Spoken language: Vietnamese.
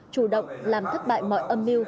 chủ động làm thất bại mọi âm mưu